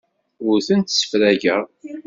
Ur tent-ssefrageɣ.